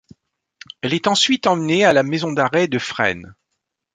Elle est ensuite emmenée à la maison d'arrêt de Fresnes.